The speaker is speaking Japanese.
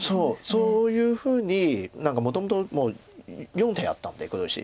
そういうふうに何かもともともう４手あったので黒石。